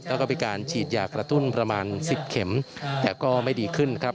แล้วก็มีการฉีดยากระตุ้นประมาณ๑๐เข็มแต่ก็ไม่ดีขึ้นครับ